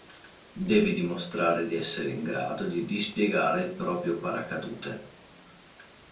Deve dimostrare di essere in grado di dispiegare il proprio paracadute.